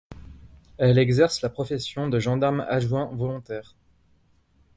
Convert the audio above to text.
Elle exerce la profession de gendarme adjoint volontaire.